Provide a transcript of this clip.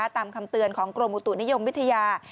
ตามคำเตือนของกรมอุตุนิยมวิทยา